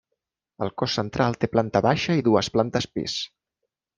El cos central té planta baixa i dues plantes pis.